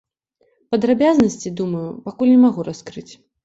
Падрабязнасці, думаю, пакуль не магу раскрыць.